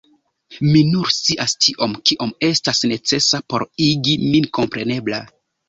Mi nur scias tiom, kiom estas necesa por igi min komprenebla.